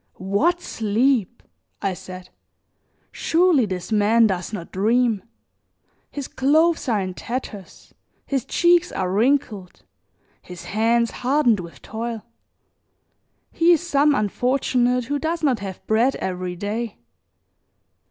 "What sleep!" I said. "Surely this man does not dream. His clothes are in tatters, his cheeks are wrinkled, his hands hardened with toil; he is some unfortunate who does not have bread every day.